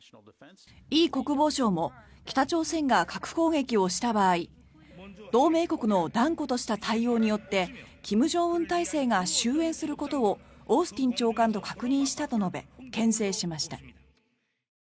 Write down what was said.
イ国防相も北朝鮮が核攻撃をした場合同盟国の断固とした対応によって金正恩体制が終えんすることをオースティン長官と確認したと述べけん制しました。